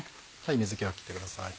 水気を切ってください